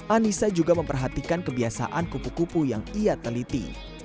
anissa juga memperhatikan kebiasaan kupu kupu yang ia teliti